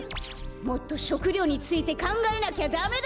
もっと食料についてかんがえなきゃダメだ！